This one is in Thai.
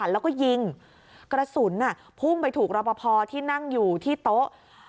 แล้วก็ยิงกระสุนพุ่งไปถูกรอปภที่นั่งอยู่ที่โต๊ะ